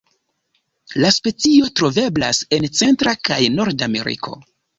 La specio troveblas en Centra kaj Nordameriko.